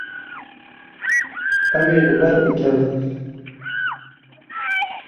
Ew ê li ber bikevin.